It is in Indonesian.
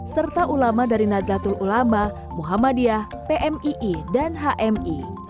serta ulama dari nadlatul ulama muhammadiyah pmii dan hmi